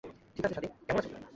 ঠিক আছে স্বাতী, কেমন আছো?